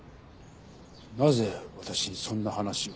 なぜ私にそんな話を？